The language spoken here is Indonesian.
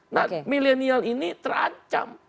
nah milenial ini terancam